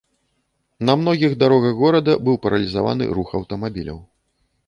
На многіх дарогах горада быў паралізаваны рух аўтамабіляў.